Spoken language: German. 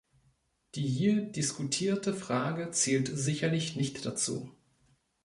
Die hier diskutierte Frage zählt sicherlich nicht dazu.